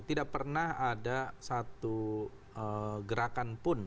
tidak pernah ada satu gerakan pun